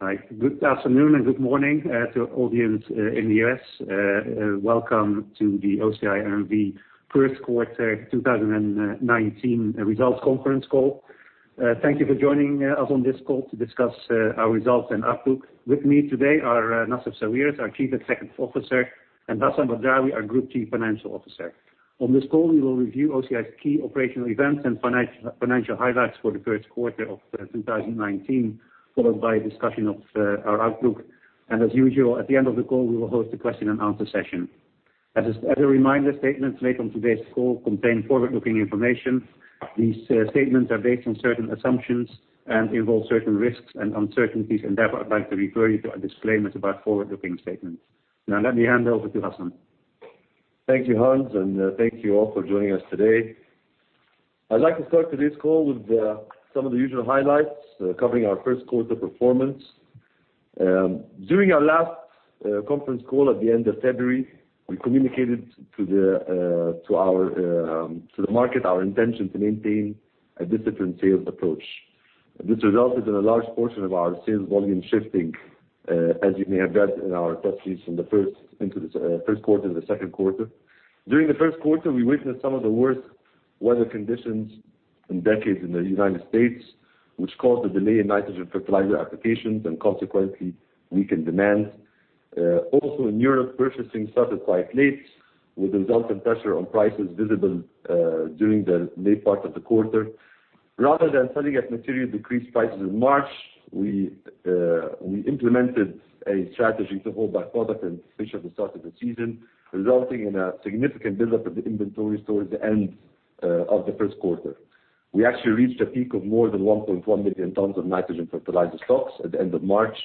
Hi, good afternoon and good morning to audience in the U.S. Welcome to the OCI N.V. first quarter 2019 results conference call. Thank you for joining us on this call to discuss our results and outlook. With me today are Nassef Sawiris, our Chief Executive Officer, and Hassan Badrawi, our Group Chief Financial Officer. On this call, we will review OCI's key operational events and financial highlights for the first quarter of 2019, followed by a discussion of our outlook. As usual, at the end of the call, we will host a question and answer session. As a reminder, statements made on today's call contain forward-looking information. These statements are based on certain assumptions and involve certain risks and uncertainties, therefore, I'd like to refer you to our disclaimer about forward-looking statements. Let me hand over to Hassan. Thank you, Hans, thank you all for joining us today. I'd like to start today's call with some of the usual highlights covering our first quarter performance. During our last conference call at the end of February, we communicated to the market our intention to maintain a disciplined sales approach. This resulted in a large portion of our sales volume shifting, as you may have read in our press release from the first quarter into the second quarter. During the first quarter, we witnessed some of the worst weather conditions in decades in the United States, which caused a delay in nitrogen fertilizer applications and consequently weakened demand. In Europe, purchasing started quite late, with a resultant pressure on prices visible during the late part of the quarter. Rather than selling at materially decreased prices in March, we implemented a strategy to hold back product until the start of the season, resulting in a significant buildup of the inventory towards the end of the first quarter. We actually reached a peak of more than 1.1 million tons of nitrogen fertilizer stocks at the end of March,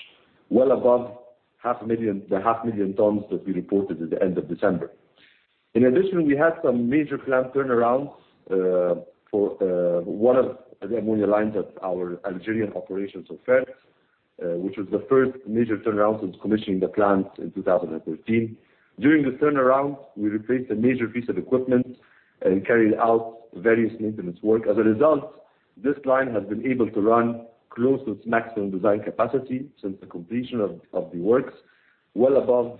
well above the half million tons that we reported at the end of December. We had some major plant turnarounds for one of the ammonia lines at our Algerian operations of Sorfert, which was the first major turnaround since commissioning the plant in 2013. During the turnaround, we replaced a major piece of equipment and carried out various maintenance work. This line has been able to run close to its maximum design capacity since the completion of the works, well above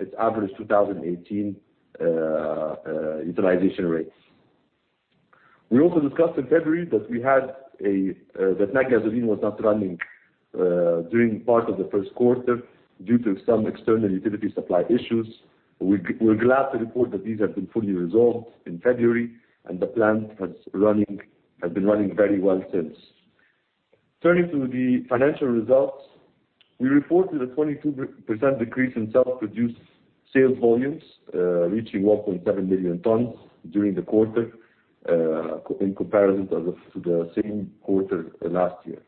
its average 2018 utilization rates. We discussed in February that Natgasoline was not running during part of the first quarter due to some external utility supply issues. We're glad to report that these have been fully resolved in February and the plant has been running very well since. To the financial results, we reported a 22% decrease in self-produced sales volumes, reaching 1.7 million tons during the quarter in comparison to the same quarter last year.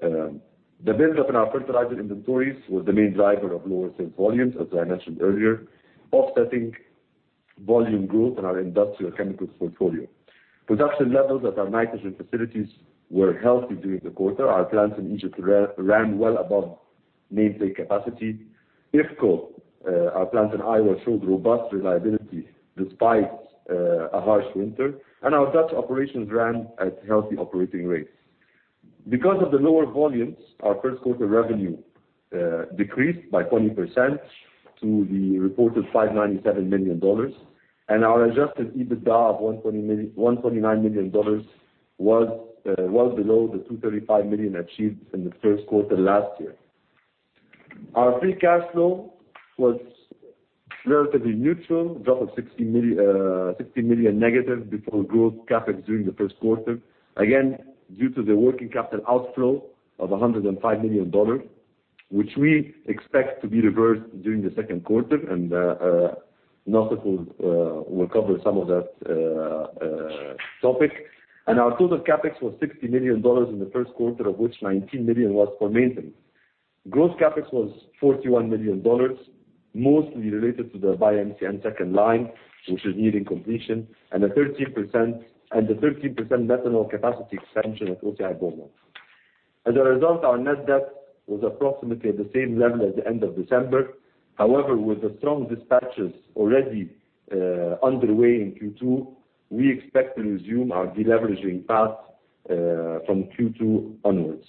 The buildup in our fertilizer inventories was the main driver of lower sales volumes, as I mentioned earlier, offsetting volume growth in our industrial chemicals portfolio. Production levels at our nitrogen facilities were healthy during the quarter. Our plants in Egypt ran well above nameplate capacity. IFCO, our plant in Iowa, showed robust reliability despite a harsh winter, our Dutch operations ran at healthy operating rates. Because of the lower volumes, our first quarter revenue decreased by 20% to the reported EUR 597 million and our adjusted EBITDA of EUR 129 million was below the 235 million achieved in the first quarter last year. Our free cash flow was relatively neutral, a drop of 60 million negative before growth CapEx during the first quarter, again due to the working capital outflow of EUR 105 million, which we expect to be reversed during the second quarter and Nassef will cover some of that topic. Our total CapEx was EUR 60 million in the first quarter, of which EUR 19 million was for maintenance. Gross CapEx was EUR 41 million, mostly related to the BioMCN second line, which is nearing completion, and a 13% methanol capacity expansion at OCI Beaumont. As a result, our net debt was approximately the same level as the end of December. With the strong dispatches already underway in Q2, we expect to resume our de-leveraging path from Q2 onwards.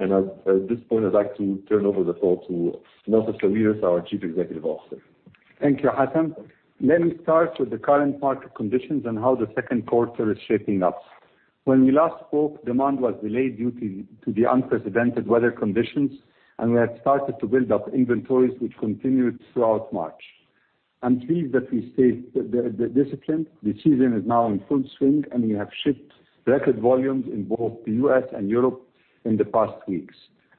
At this point, I'd like to turn over the call to Nassef Sawiris, our Chief Executive Officer. Thank you, Hassan. Let me start with the current market conditions and how the second quarter is shaping up. When we last spoke, demand was delayed due to the unprecedented weather conditions, and we had started to build up inventories, which continued throughout March. I'm pleased that we stayed disciplined. The season is now in full swing, and we have shipped record volumes in both the U.S. and Europe in the past weeks.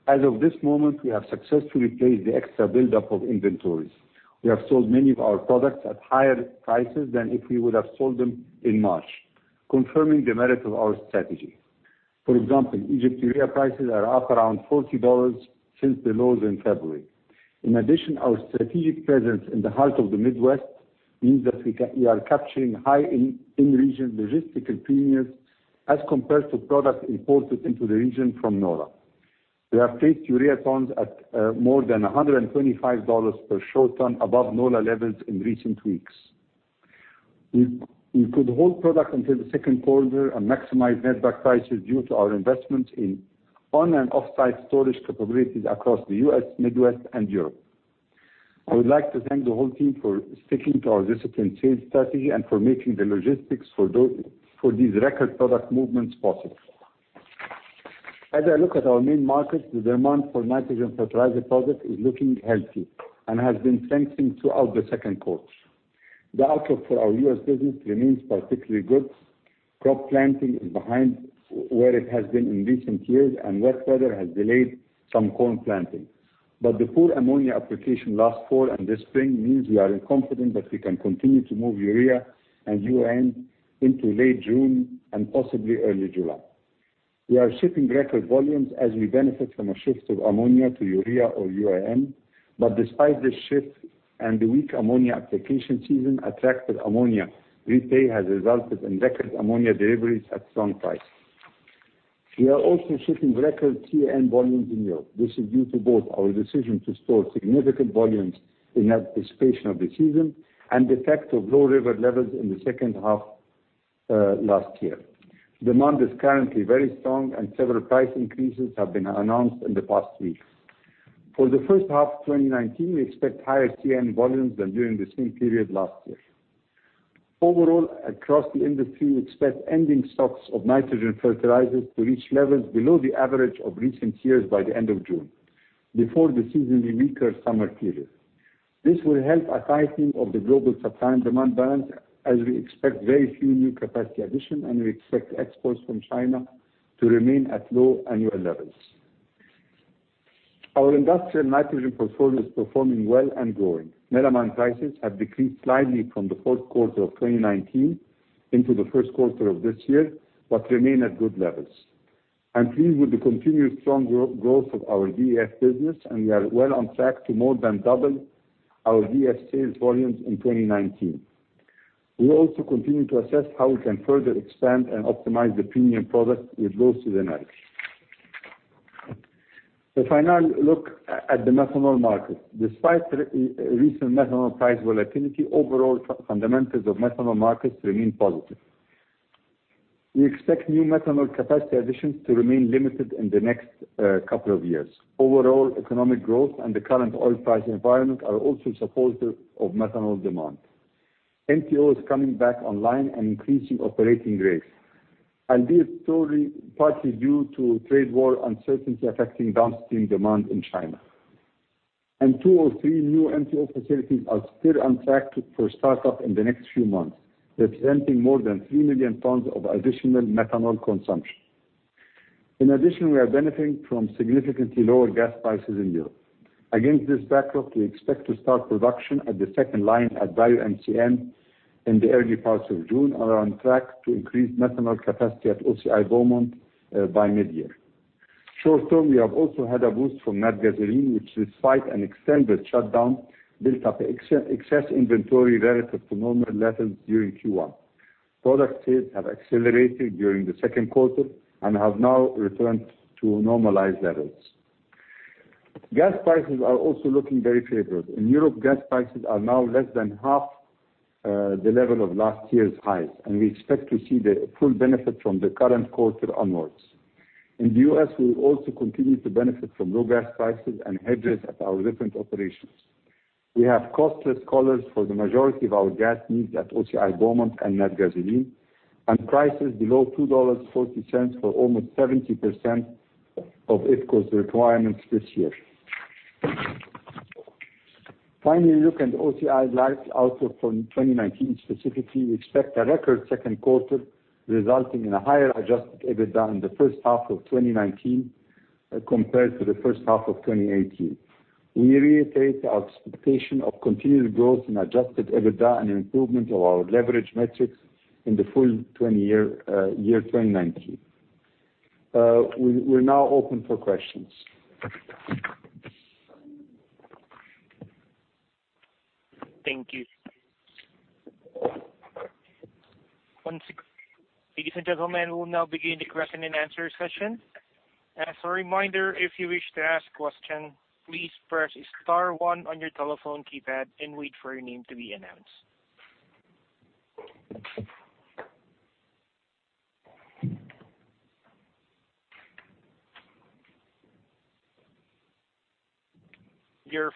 As of this moment, we have successfully placed the extra buildup of inventories. We have sold many of our products at higher prices than if we would have sold them in March, confirming the merit of our strategy. For example, Egypt urea prices are up around EUR 40 since the lows in February. In addition, our strategic presence in the heart of the Midwest Means that we are capturing high in-region logistical premiums as compared to products imported into the region from NOLA. We have faced urea tons at more than EUR 125 per short ton above NOLA levels in recent weeks. We could hold product until the second quarter and maximize netback prices due to our investment in on and offsite storage capabilities across the U.S., Midwest, and Europe. I would like to thank the whole team for sticking to our disciplined sales strategy and for making the logistics for these record product movements possible. As I look at our main markets, the demand for nitrogen fertilizer product is looking healthy and has been strengthening throughout the second quarter. The outlook for our U.S. business remains particularly good. Crop planting is behind where it has been in recent years, and wet weather has delayed some corn planting. The poor ammonia application last fall and this spring means we are confident that we can continue to move urea and UAN into late June and possibly early July. We are shipping record volumes as we benefit from a shift of ammonia to urea or UAN. Despite this shift and the weak ammonia application season, attractive ammonia retake has resulted in record ammonia deliveries at strong price. We are also shipping record CAN volumes in Europe. This is due to both our decision to store significant volumes in anticipation of the season and the effect of low river levels in the second half last year. Demand is currently very strong, and several price increases have been announced in the past weeks. For the first half of 2019, we expect higher CAN volumes than during the same period last year. Overall, across the industry, we expect ending stocks of nitrogen fertilizers to reach levels below the average of recent years by the end of June, before the seasonally weaker summer period. This will help a tightening of the global supply and demand balance, as we expect very few new capacity addition, and we expect exports from China to remain at low annual levels. Our industrial nitrogen portfolio is performing well and growing. Melamine prices have decreased slightly from the fourth quarter of 2019 into the first quarter of this year, but remain at good levels. I'm pleased with the continued strong growth of our DEF business, and we are well on track to more than double our DEF sales volumes in 2019. We also continue to assess how we can further expand and optimize the premium products we've built to the market. The final look at the methanol market. Despite recent methanol price volatility, overall fundamentals of methanol markets remain positive. We expect new methanol capacity additions to remain limited in the next couple of years. Overall, economic growth and the current oil price environment are also supportive of methanol demand. MTO is coming back online and increasing operating rates, albeit slowly, partly due to trade war uncertainty affecting downstream demand in China. Two or three new MTO facilities are still on track for startup in the next few months, representing more than 3 million tons of additional methanol consumption. In addition, we are benefiting from significantly lower gas prices in Europe. Against this backdrop, we expect to start production at the second line at BioMCN in the early parts of June and are on track to increase methanol capacity at OCI Beaumont by mid-year. Short term, we have also had a boost from Natgasoline, which despite an extended shutdown, built up excess inventory relative to normal levels during Q1. Product sales have accelerated during the second quarter and have now returned to normalized levels. Gas prices are also looking very favorable. In Europe, gas prices are now less than half the level of last year's highs, and we expect to see the full benefit from the current quarter onwards. In the U.S., we will also continue to benefit from low gas prices and hedges at our different operations. We have costless collars for the majority of our gas needs at OCI Beaumont and Natgasoline, and prices below $2.40 for almost 70% of IFCO's requirements this year. Finally, a look at OCI's light outlook for 2019 specifically. We expect a record second quarter resulting in a higher adjusted EBITDA in the first half of 2019 compared to the first half of 2018. We reiterate our expectation of continued growth in adjusted EBITDA and improvement of our leverage metrics in the full year 2019. We're now open for questions. Thank you. Ladies and gentlemen, we will now begin the question and answer session. As a reminder, if you wish to ask question, please press star one on your telephone keypad and wait for your name to be announced.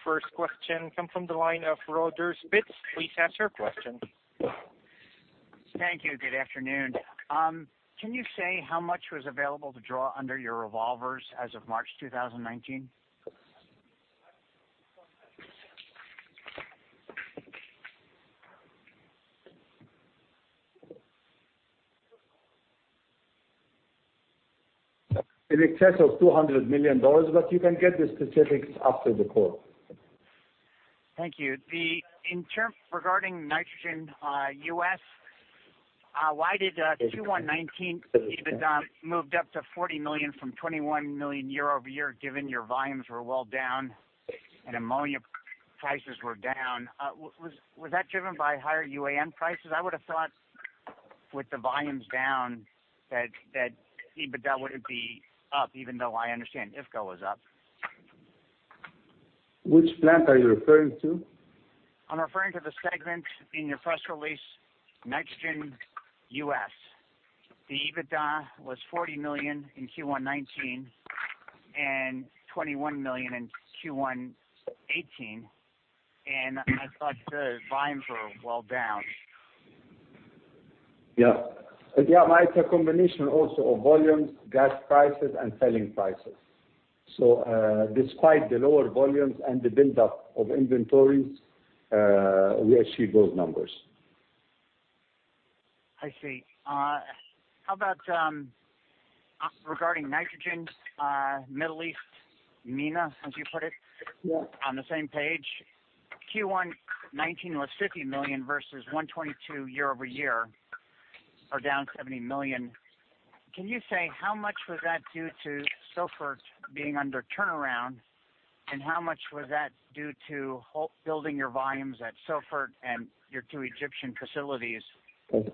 Your first question come from the line of Roger Spitz. Please ask your question. Thank you. Good afternoon. Can you say how much was available to draw under your revolvers as of March 2019? In excess of EUR 200 million, you can get the specifics after the call. Thank you. Regarding Nitrogen U.S., why did Q1 2019 EBITDA moved up to 40 million from 21 million year-over-year, given your volumes were well down and ammonia prices were down? Was that driven by higher UAN prices? I would have thought with the volumes down that EBITDA wouldn't be up, even though I understand IFCO was up. Which plant are you referring to? I'm referring to the segment in your press release, Nitrogen U.S. The EBITDA was 40 million in Q1 2019 and 21 million in Q1 2018. I thought the volumes were well down. Yeah. It's a combination also of volumes, gas prices, and selling prices. Despite the lower volumes and the build-up of inventories, we achieved those numbers. I see. How about regarding Nitrogen, Middle East, MENA, as you put it. Yeah on the same page, Q1 2019 was 50 million versus 122 million year-over-year, or down 70 million. Can you say how much was that due to Sorfert being under turnaround, and how much was that due to building your volumes at Sorfert and your two Egyptian facilities? Can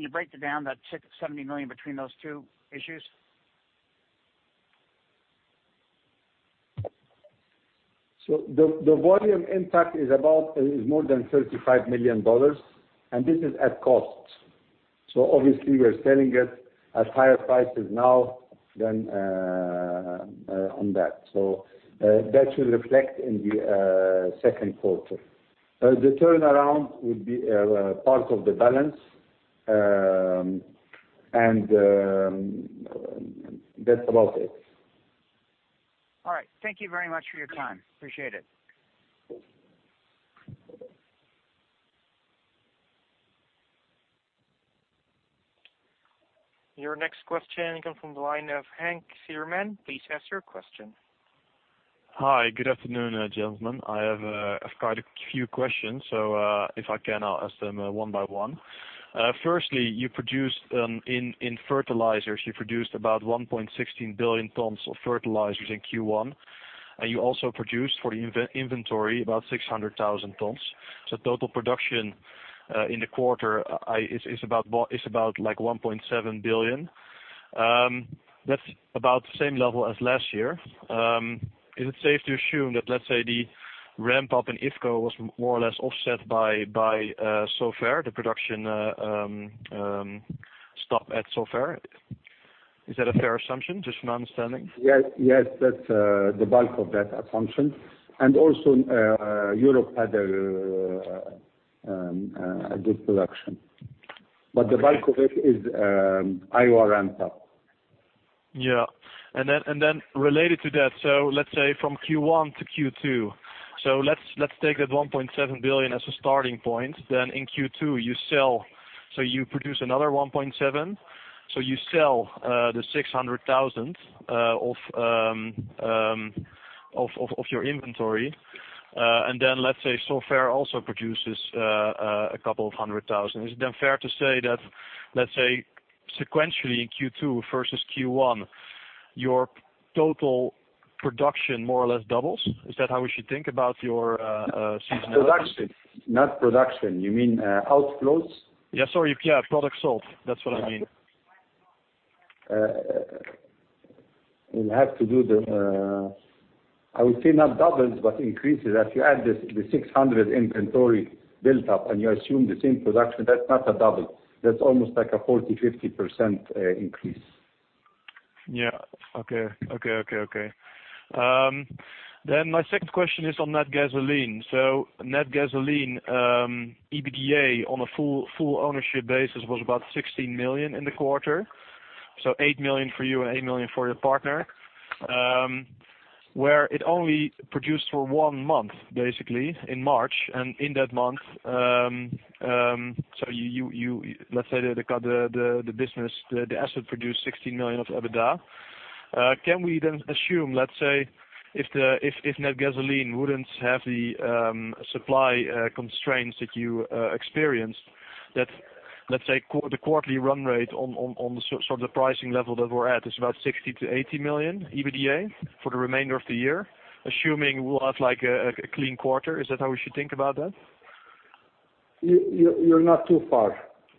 you break down that 70 million between those two issues? The volume impact is more than EUR 35 million, and this is at cost. Obviously, we're selling it at higher prices now than on that. That should reflect in the second quarter. The turnaround would be part of the balance, and that's about it. All right. Thank you very much for your time. Appreciate it. Your next question comes from the line of Henk Veerman. Please ask your question. Hi. Good afternoon, gentlemen. I have quite a few questions, so if I can, I'll ask them one by one. Firstly, in fertilizers, you produced about 1.16 billion tons of fertilizers in Q1, and you also produced for the inventory about 600,000 tons. Total production in the quarter is about like 1.7 billion tons. That's about the same level as last year. Is it safe to assume that, let's say, the ramp-up in IFCO was more or less offset by Sorfert, the production stop at Sorfert? Is that a fair assumption, just for an understanding? Yes, the bulk of that assumption. Also, Europe had a good production. The bulk of it is Iowa ramp-up. Yeah. Related to that, let's say from Q1 to Q2, let's take that 1.7 billion tons as a starting point. In Q2, you produce another 1.7 billion tons, you sell the 600,000 tons of your inventory, let's say Sorfert also produces a couple of hundred thousand tons. Is it then fair to say that, let's say sequentially in Q2 versus Q1, your total production more or less doubles? Is that how we should think about your seasonality? Production. Not production. You mean outflows? Yeah, sorry. Yeah, product sold. That's what I mean. We'll have to do the I would say not doubles, but increases. If you add the 600 inventory built up and you assume the same production, that's not a double. That's almost like a 40%-50% increase. Yeah. Okay. My second question is on Natgasoline. Natgasoline, EBITDA on a full ownership basis was about 16 million in the quarter. 8 million for you and 8 million for your partner, where it only produced for one month, basically, in March. In that month, let's say the asset produced EUR 16 million of EBITDA. Can we then assume, let's say, if Natgasoline wouldn't have the supply constraints that you experienced, that, let's say, the quarterly run rate on the sort of pricing level that we're at is about 60 million-80 million EBITDA for the remainder of the year, assuming we'll have a clean quarter? Is that how we should think about that? You're not too far,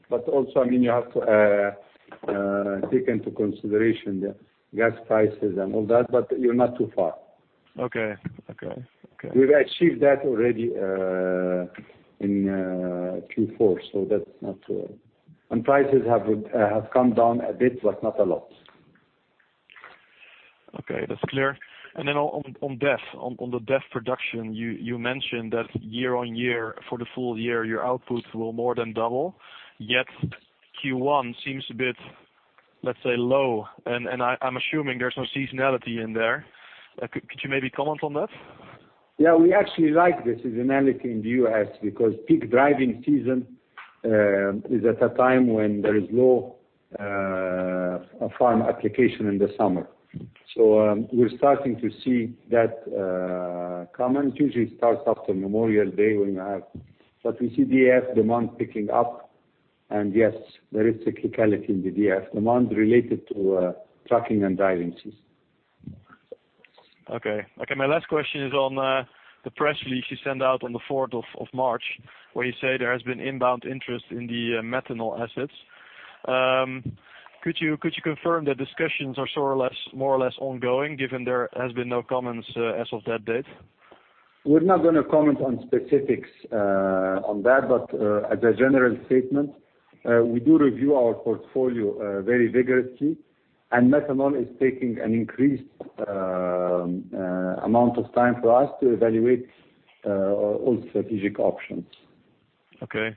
also, you have to take into consideration the gas prices and all that, you're not too far. Okay. We've achieved that already in Q4. Prices have come down a bit, not a lot. Okay. That's clear. On DEF production, you mentioned that year-on-year for the full year, your output will more than double, yet Q1 seems a bit, let's say, low, I'm assuming there's some seasonality in there. Could you maybe comment on that? Yeah, we actually like the seasonality in the U.S. because peak driving season is at a time when there is a farm application in the summer. We're starting to see that comment. Usually it starts after Memorial Day. We see DEF demand picking up, yes, there is cyclicality in the DEF demand related to trucking and driving season. Okay. My last question is on the press release you sent out on the fourth of March, where you say there has been inbound interest in the methanol assets. Could you confirm that discussions are more or less ongoing, given there has been no comments as of that date? We're not going to comment on specifics on that. As a general statement, we do review our portfolio very vigorously, and methanol is taking an increased amount of time for us to evaluate all strategic options. Okay.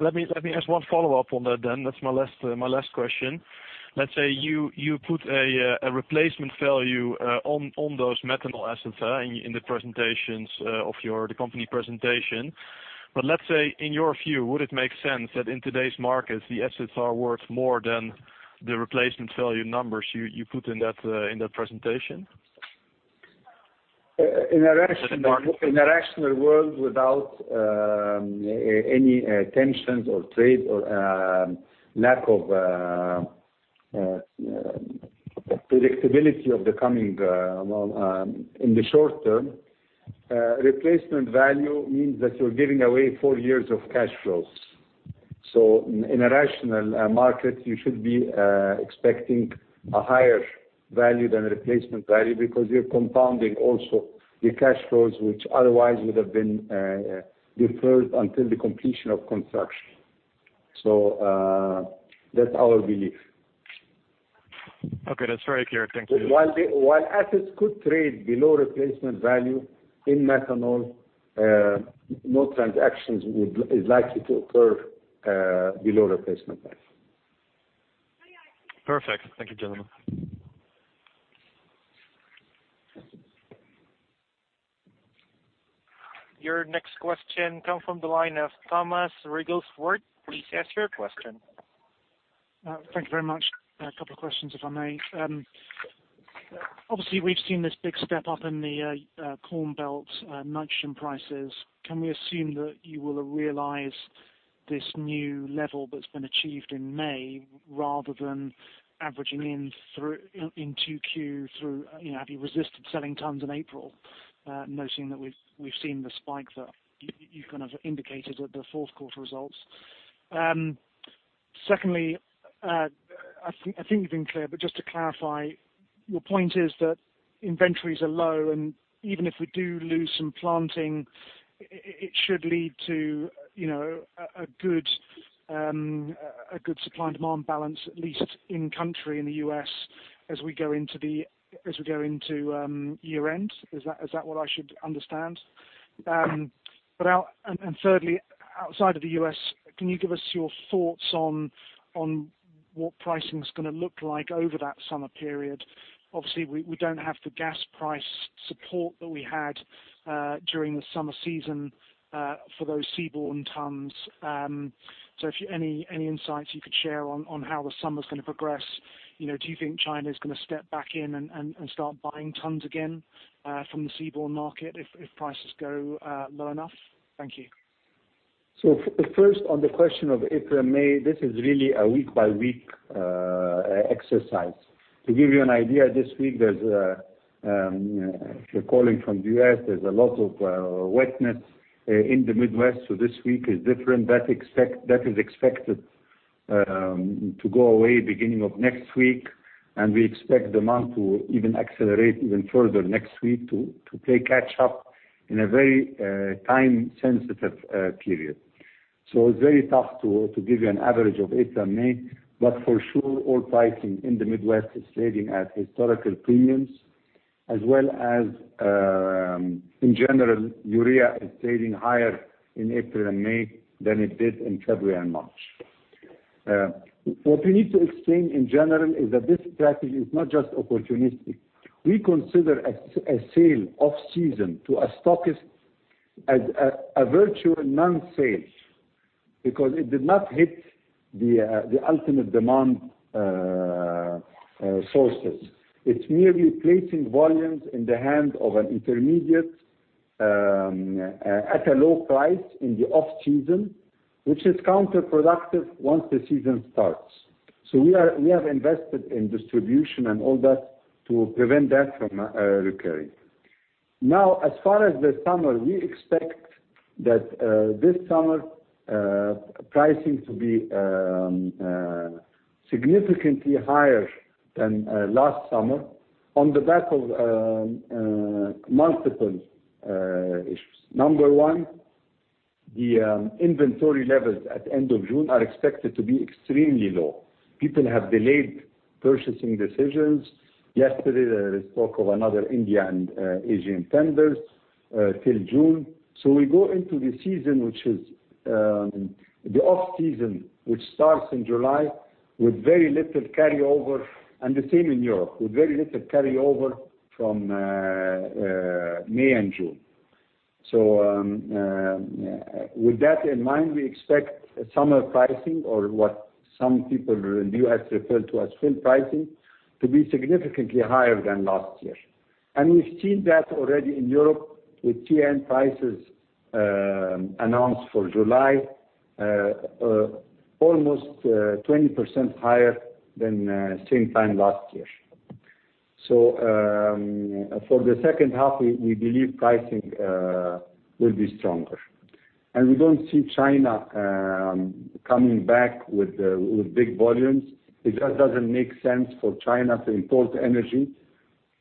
Let me ask one follow-up on that then. That's my last question. Let's say you put a replacement value on those methanol assets in the presentations of the company presentation. Let's say, in your view, would it make sense that in today's markets, the assets are worth more than the replacement value numbers you put in that presentation? In a rational world without any tensions or trade or lack of predictability of the coming in the short term, replacement value means that you're giving away four years of cash flows. In a rational market, you should be expecting a higher value than replacement value because you're compounding also your cash flows, which otherwise would have been deferred until the completion of construction. That's our belief. Okay. That's very clear. Thank you. While assets could trade below replacement value in methanol, no transactions is likely to occur below replacement value. Perfect. Thank you, gentlemen. Your next question comes from the line of Thomas Rigelsford. Please ask your question. Thank you very much. A couple of questions, if I may. Obviously, we've seen this big step up in the corn belt, nitrogen prices. Can we assume that you will realize this new level that's been achieved in May, rather than averaging in 2Q through, have you resisted selling tons in April? Noticing that we've seen the spike that you've indicated with the fourth quarter results. Secondly, I think you've been clear, but just to clarify, your point is that inventories are low, and even if we do lose some planting, it should lead to a good supply and demand balance, at least in country, in the U.S., as we go into year-end. Is that what I should understand? Thirdly, outside of the U.S., can you give us your thoughts on what pricing is going to look like over that summer period? Obviously, we don't have the gas price support that we had during the summer season for those seaborne tons. Any insights you could share on how the summer's going to progress? Do you think China's going to step back in and start buying tons again from the seaborne market if prices go low enough? Thank you. First on the question of April and May, this is really a week-by-week exercise. To give you an idea, this week, if you're calling from the U.S., there's a lot of wetness in the Midwest, so this week is different. That is expected to go away beginning of next week, and we expect demand to even accelerate even further next week to play catch up in a very time-sensitive period. It's very tough to give you an average of April and May, but for sure, all pricing in the Midwest is trading at historical premiums as well as, in general, urea is trading higher in April and May than it did in February and March. What we need to explain in general is that this strategy is not just opportunistic. We consider a sale off-season to a stockist as a virtual non-sale because it did not hit the ultimate demand sources. It's merely placing volumes in the hands of an intermediate at a low price in the off-season, which is counterproductive once the season starts. We have invested in distribution and all that to prevent that from recurring. Now, as far as the summer, we expect that this summer pricing to be significantly higher than last summer on the back of multiple issues. Number one, the inventory levels at end of June are expected to be extremely low. People have delayed purchasing decisions. Yesterday, there is talk of another India and Asian tenders till June. We go into the off-season, which starts in July with very little carryover, and the same in Europe, with very little carryover from May and June. With that in mind, we expect summer pricing or what some people in the U.S. refer to as full pricing, to be significantly higher than last year. We've seen that already in Europe with CAN prices announced for July, almost 20% higher than same time last year. For the second half, we believe pricing will be stronger. We don't see China coming back with big volumes. It just doesn't make sense for China to import energy,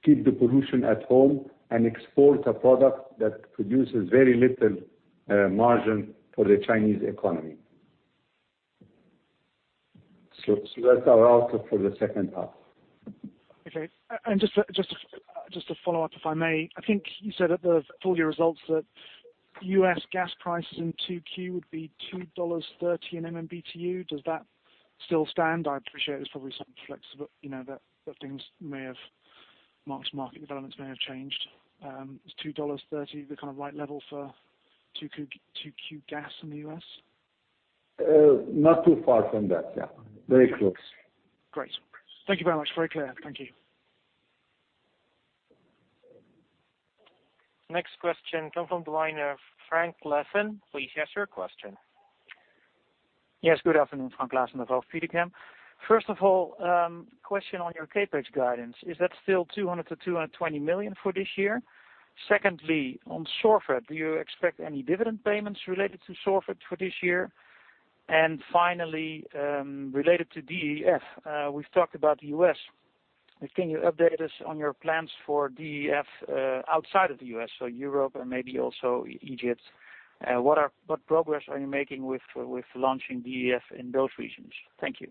keep the pollution at home, and export a product that produces very little margin for the Chinese economy. That's our outlook for the second half. Okay. Just to follow up, if I may. I think you said at the full year results that U.S. gas prices in 2Q would be $2.30 in MMBtu. Does that still stand? I appreciate there's probably some flexibility, that things may have marked, market developments may have changed. Is $2.30 the kind of right level for 2Q gas in the U.S.? Not too far from that, yeah. Very close. Great. Thank you very much. Very clear. Thank you. Next question come from the line of Frank Claassen. Please ask your question. Yes, good afternoon. Frank Claassen of Degroof Petercam. First of all, question on your CapEx guidance. Is that still 200 million to 220 million for this year? Secondly, on Sorfert, do you expect any dividend payments related to Sorfert for this year? Finally, related to DEF, we've talked about the U.S. Can you update us on your plans for DEF outside of the U.S., so Europe and maybe also Egypt? What progress are you making with launching DEF in those regions? Thank you.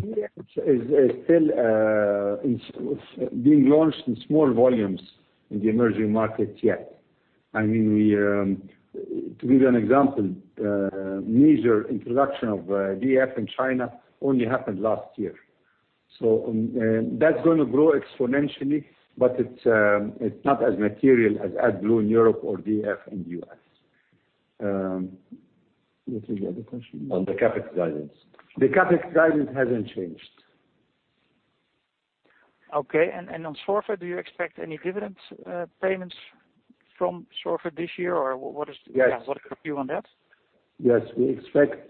DEF is still being launched in small volumes in the emerging markets yet. To give you an example, major introduction of DEF in China only happened last year. That's going to grow exponentially, but it's not as material as AdBlue in Europe or DEF in the U.S. What was the other question? On the CapEx guidance. The CapEx guidance hasn't changed. Okay. On Sorfert, do you expect any dividend payments from Sorfert this year? Yes. What is your view on that? Yes, we expect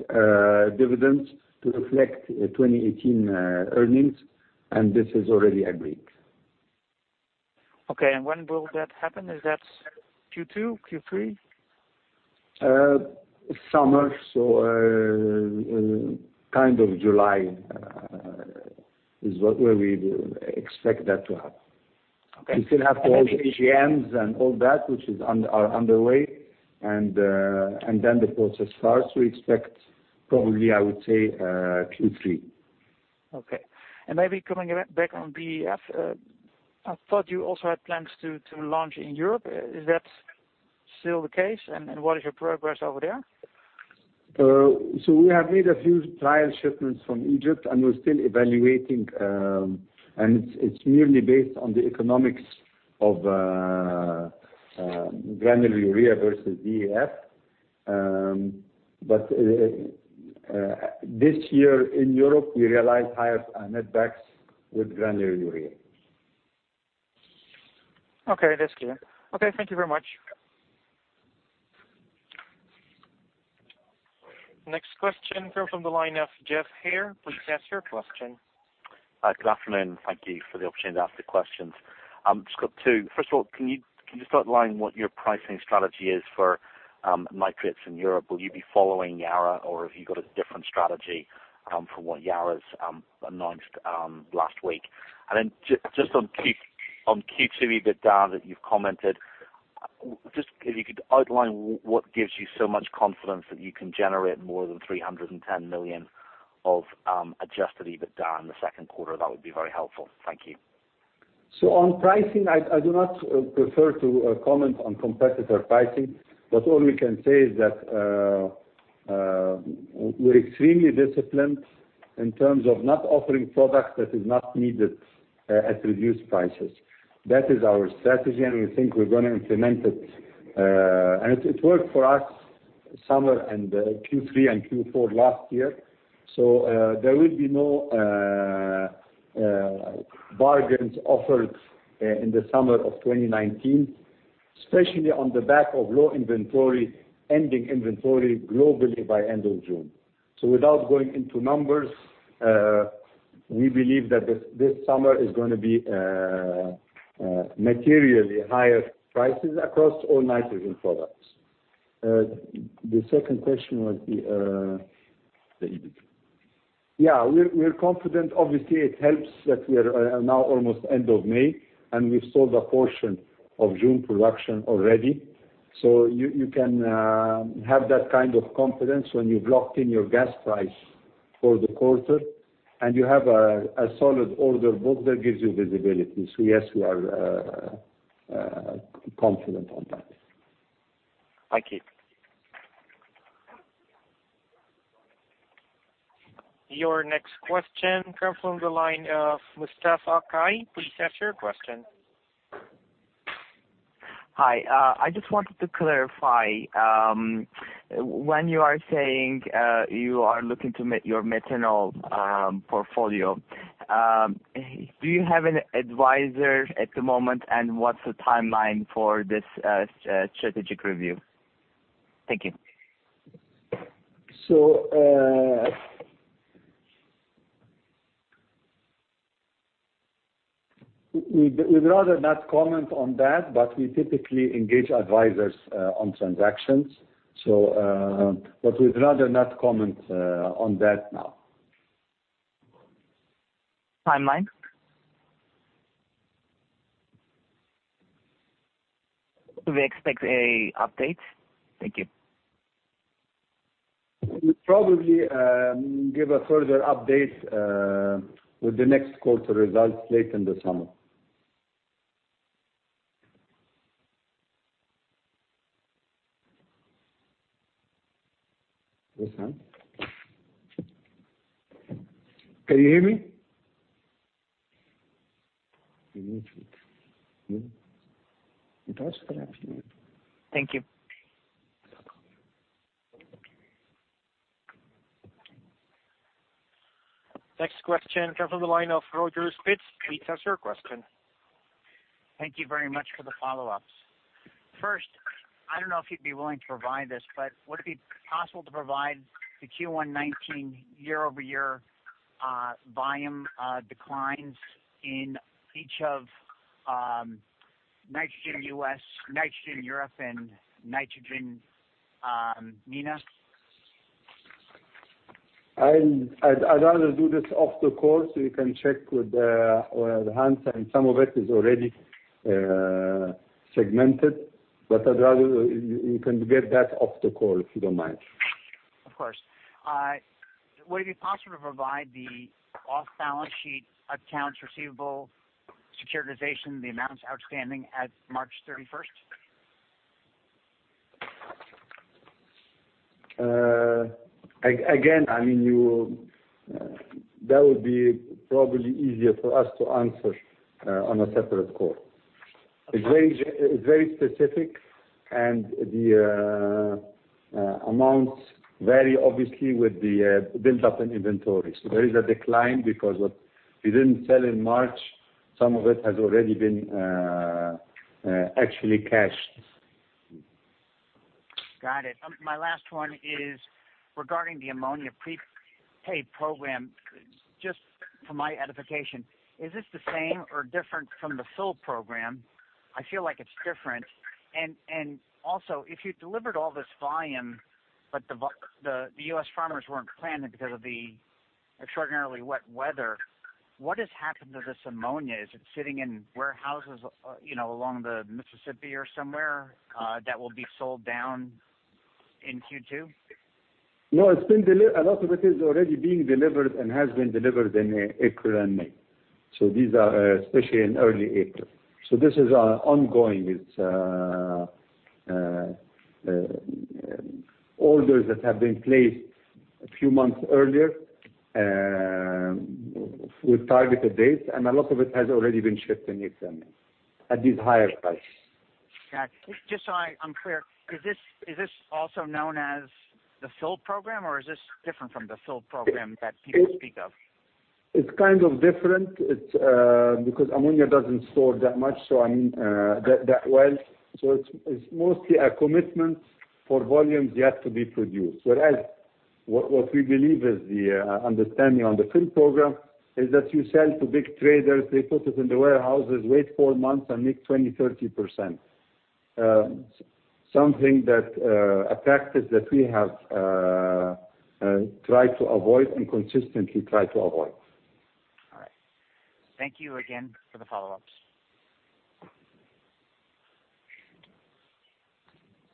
dividends to reflect 2018 earnings, and this is already agreed. Okay, when will that happen? Is that Q2, Q3? Summer, so kind of July, is where we expect that to happen. Okay. We still have to hold AGMs and all that, which are underway. Then the process starts. We expect probably, I would say, Q3. Okay. Maybe coming back on DEF. I thought you also had plans to launch in Europe. Is that still the case, and what is your progress over there? We have made a few trial shipments from Egypt, and we're still evaluating. It's merely based on the economics of granular urea versus DEF. This year in Europe, we realized higher net backs with granular urea. Okay, that's clear. Okay, thank you very much. Next question comes from the line of [Jeffrey Heer]. Please ask your question. Hi, good afternoon. Thank you for the opportunity to ask the questions. Just got two. First of all, can you just outline what your pricing strategy is for nitrates in Europe? Will you be following Yara or have you got a different strategy from what Yara's announced last week? Then just on Q2 EBITDA that you've commented, if you could outline what gives you so much confidence that you can generate more than 310 million of adjusted EBITDA in the second quarter, that would be very helpful. Thank you. On pricing, I do not prefer to comment on competitor pricing, but all we can say is that we're extremely disciplined in terms of not offering product that is not needed at reduced prices. That is our strategy, and we think we're going to implement it. It worked for us summer and Q3 and Q4 last year. There will be no bargains offered in the summer of 2019, especially on the back of low inventory, ending inventory globally by end of June. Without going into numbers, we believe that this summer is going to be materially higher prices across all nitrogen products. The second question was the The EBIT. We're confident. Obviously, it helps that we are now almost end of May, and we've sold a portion of June production already. You can have that kind of confidence when you've locked in your gas price for the quarter, and you have a solid order book that gives you visibility. Yes, we are confident on that. Thank you. Your next question comes from the line of Hassan Ahmed. Please ask your question. Hi. I just wanted to clarify, when you are saying you are looking to meet your methanol portfolio, do you have an advisor at the moment, and what's the timeline for this strategic review? Thank you. We'd rather not comment on that, we typically engage advisors on transactions. We'd rather not comment on that now. Timeline? Do we expect an update? Thank you. We'll probably give a further update with the next quarter results late in the summer. Yes, ma'am. Can you hear me? Thank you. Next question comes from the line of Roger Spitz. Please ask your question. Thank you very much for the follow-ups. First, I don't know if you'd be willing to provide this, but would it be possible to provide the Q1 2019 year-over-year volume declines in each of nitrogen U.S., nitrogen Europe, and nitrogen MENA? I'd rather do this off the call so you can check with Hans, and some of it is already segmented. You can get that off the call, if you don't mind. Of course. Would it be possible to provide the off-balance sheet accounts receivable securitization, the amounts outstanding as of March 31st? Again, that would be probably easier for us to answer on a separate call. It's very specific, and the amounts vary obviously with the buildup in inventory. There is a decline because what we didn't sell in March, some of it has already been actually cashed. Got it. My last one is regarding the ammonia prepaid program. Just for my edification, is this the same or different from the fill program? I feel like it's different. Also, if you delivered all this volume, but the U.S. farmers weren't planting because of the extraordinarily wet weather, what has happened to this ammonia? Is it sitting in warehouses along the Mississippi or somewhere, that will be sold down in Q2? No, a lot of it is already being delivered and has been delivered in April and May, especially in early April. This is ongoing. It's orders that have been placed a few months earlier, with targeted dates, and a lot of it has already been shipped in April and May, at these higher prices. Got it. Just so I'm clear, is this also known as the fill program, or is this different from the fill program that people speak of? It's kind of different. Because ammonia doesn't store that well, so it's mostly a commitment for volumes yet to be produced. Whereas what we believe is the understanding on the fill program is that you sell to big traders, they put it in the warehouses, wait four months, and make 20%-30%. Something that, a practice that we have tried to avoid and consistently try to avoid. All right. Thank you again for the follow-ups.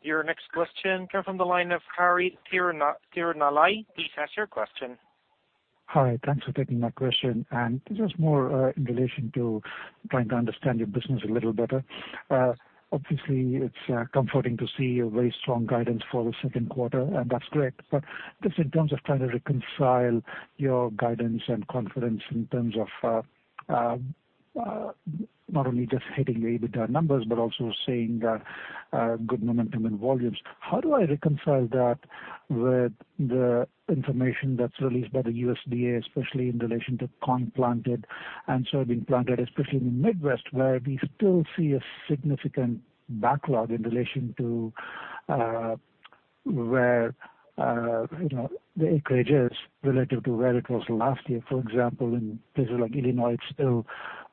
Your next question comes from the line of Harry Thiruvengadam. Please ask your question. Hi. Thanks for taking my question. This is more in relation to trying to understand your business a little better. Obviously, it's comforting to see a very strong guidance for the second quarter, and that's great. Just in terms of trying to reconcile your guidance and confidence in terms of not only just hitting the EBITDA numbers, but also seeing good momentum in volumes. How do I reconcile that with the information that's released by the USDA, especially in relation to corn planted and soybean planted, especially in the Midwest, where we still see a significant backlog in relation to where the acreage is relative to where it was last year? For example, in places like Illinois, it's still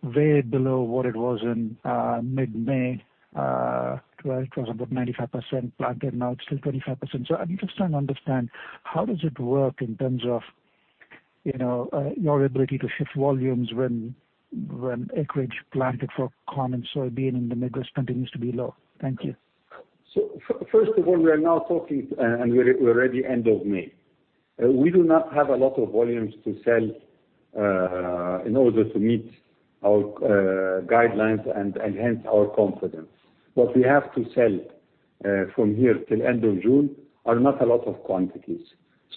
way below what it was in mid-May, where it was about 95% planted, now it's still 25%. I'm just trying to understand, how does it work in terms of your ability to shift volumes when acreage planted for corn and soybean in the Midwest continues to be low? Thank you. First of all, we are now talking, we're already end of May. We do not have a lot of volumes to sell in order to meet our guidelines and enhance our confidence. What we have to sell from here till end of June are not a lot of quantities.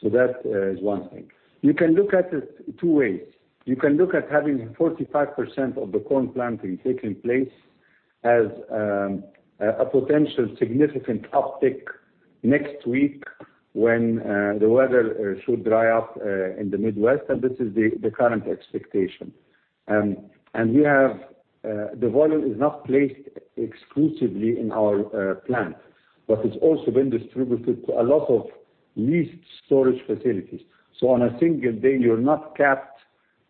That is one thing. You can look at it two ways. You can look at having 45% of the corn planting taking place as a potential significant uptick next week when the weather should dry up in the Midwest, and this is the current expectation. The volume is not placed exclusively in our plant, but it's also been distributed to a lot of leased storage facilities. On a single day, you're not capped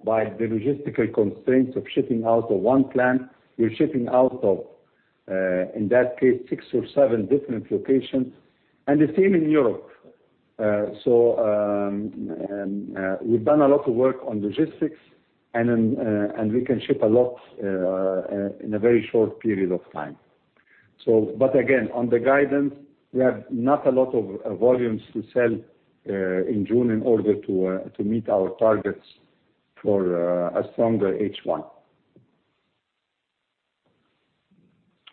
by the logistical constraints of shipping out of one plant. You're shipping out of, in that case, six or seven different locations, and the same in Europe. We've done a lot of work on logistics and we can ship a lot in a very short period of time. Again, on the guidance, we have not a lot of volumes to sell in June in order to meet our targets for a stronger H1.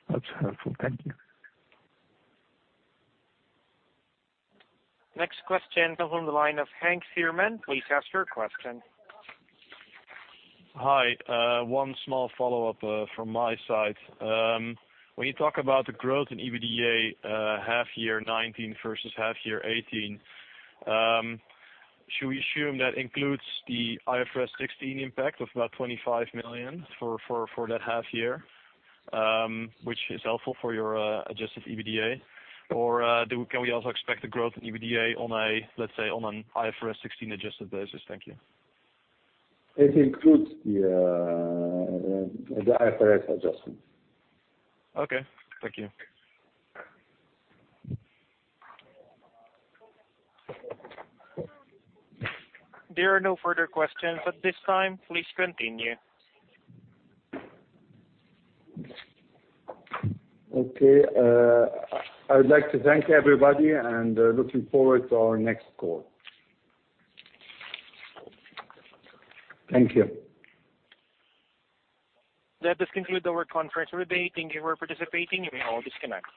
That's helpful. Thank you. Next question comes on the line of Henk Veerman. Please ask your question. Hi. One small follow-up from my side. When you talk about the growth in EBITDA half year 2019 versus half year 2018, should we assume that includes the IFRS 16 impact of about 25 million for that half year, which is helpful for your adjusted EBITDA? Or can we also expect the growth in EBITDA on, let's say, an IFRS 16 adjusted basis? Thank you. It includes the IFRS adjustment. Okay, thank you. There are no further questions at this time. Please continue. Okay. I would like to thank everybody, and looking forward to our next call. Thank you. That does conclude our conference. Everybody, thank you for participating. You may all disconnect.